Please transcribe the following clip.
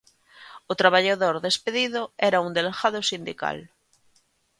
O traballador despedido era un delegado sindical.